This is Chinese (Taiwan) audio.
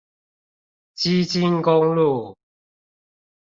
基金公路